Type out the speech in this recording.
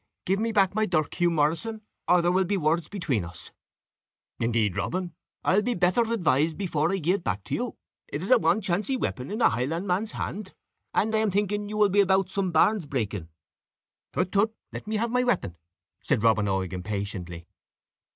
Give me pack my dirk, Hugh Morrison, or there will pe words petween us." "Indeed, Robin, I'll be better advised before I gie it back to you; it is a wanchancy weapon in a Highlandman's hand, and I am thinking you will be about some barns breaking." "Prutt, trutt! let me have my weapon," said Robin Oig, impatiently.